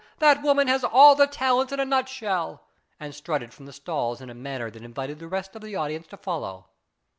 that woman has all the talents in a nut shell," and strutted from the stalls in a manner that in vited the rest of the audience to follow.